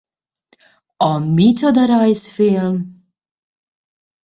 A Micsoda rajzfilm!